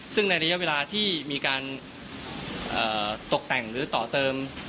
ซึ่งในระยะเวลาที่มีการตกแต่งหรือต่อเติม